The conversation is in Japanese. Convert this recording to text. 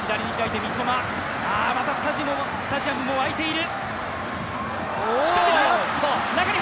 またスタジアムも沸いている。